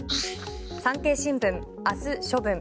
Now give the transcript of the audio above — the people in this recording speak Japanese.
産経新聞、明日処分。